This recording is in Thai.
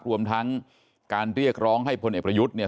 รวมทั้งการเรียกร้องให้พลเอกประยุทธ์เนี่ย